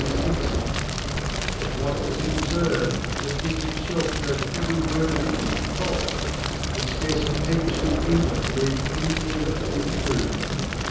his Infolence ;. but what does he deferve , when hc Jtimfelf knows every word, of it tobe falfe ! and fcarce a $apijt in Engfand believes any thing if; it ' to be true.